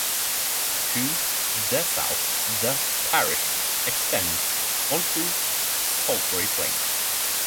To the south the parish extends onto Salisbury Plain.